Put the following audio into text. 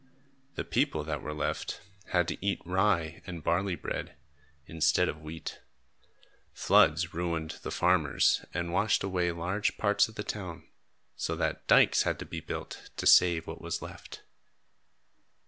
The people, that were left, had to eat rye and barley bread, instead of wheat. Floods ruined the farmers and washed away large parts of the town, so that dykes had to be built to save what was left.